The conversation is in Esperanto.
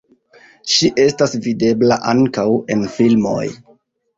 Ŝi estas videbla ankaŭ en filmoj.